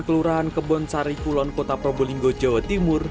kelurahan kebon sari kulon kota probolinggo jawa timur